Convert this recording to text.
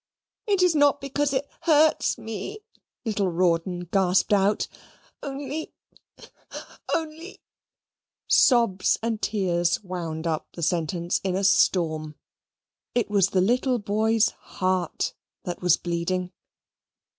"It is not because it hurts me," little Rawdon gasped out "only only" sobs and tears wound up the sentence in a storm. It was the little boy's heart that was bleeding.